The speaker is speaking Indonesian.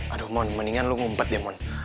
aduh mon mendingan lo ngumpet deh mon